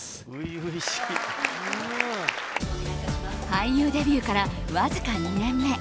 俳優デビューからわずか２年目。